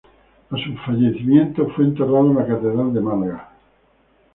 A su fallecimiento fue enterrado en la catedral de Málaga.